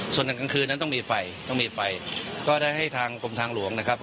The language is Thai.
ส่วนทางกลางคืนนั้นต้องมีไฟก็ได้ให้กลมทางหลวงนะครับ